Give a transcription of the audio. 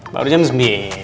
baru jam sembilan